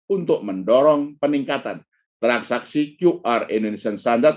untuk mendorong peningkatan transaksi qr indonesian standard